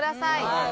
はい。